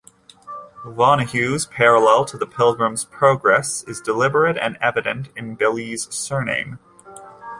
Vonnegut's parallel to "The Pilgrim's Progress" is deliberate and evident in Billy's surname.